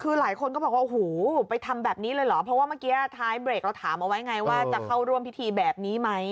คือหลายคนก็บอกว่าโอ้โหไปทำแบบนี้เลยเหรอเพราะว่าเมื่อกี้ท้ายเบรกเราถามเอาไว้ไงว่าจะเข้าร่วมพิธีแบบนี้ไหม